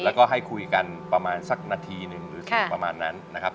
แล้วก็ให้คุยกันประมาณสักนาทีหนึ่งหรือประมาณนั้นนะครับ